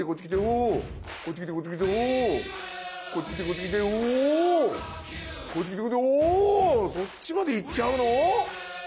おそっちまで行っちゃうの？